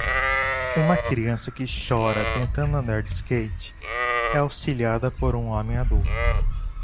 Uma criança que chora tentando andar de skate é auxiliada por um homem adulto.